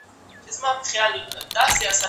د مینې څرګندول ټولنه یوځای کوي.